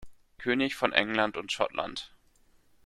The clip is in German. König von England und Schottland.